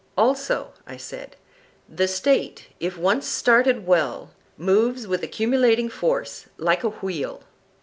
Also, I said, the State, if once started well, moves with accumulating force like a wheel.